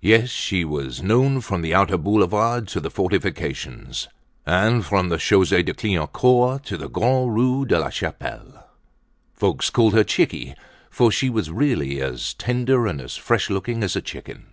Yes, she was known from the outer Boulevards to the Fortifications, and from the Chaussee de Clignancourt to the Grand Rue of La Chapelle. Folks called her "chickie," for she was really as tender and as fresh looking as a chicken.